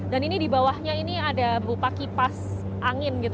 dan ini di bawahnya ini ada berupa kipas angin